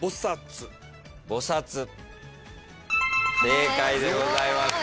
正解でございます。